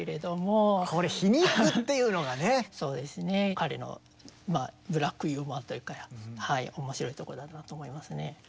彼のブラックユーモアというか面白いところだなと思いますね。